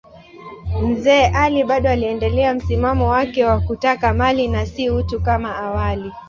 Mzee Ali bado aliendelea msimamo wake wa kutaka mali na si utu kama awali.